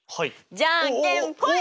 じゃんけんぽい！